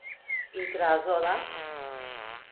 İtirazı olan?